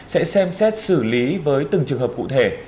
sẽ xem xét xử lý với từng trường hợp cụ thể